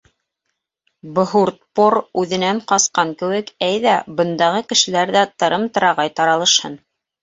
— Бһуртпор үҙәненән ҡасҡан кеүек, әйҙә, бындағы кешеләр ҙә тырым-тырағай таралышһын.